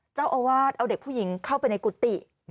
เจ้าอาวาสเอาเด็กผู้หญิงเข้าไปในกุฏิ